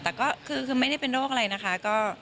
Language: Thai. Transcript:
แต่ก็คือไม่ได้เป็นโรคอะไรนะคะ